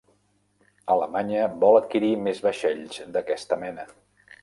Alemanya vol adquirir més vaixells d'aquesta mena.